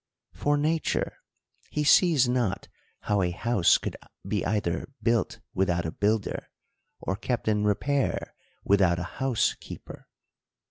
— For nature,\\e sees not how a house could be either built without a builder, or kept in repair without a house keeper.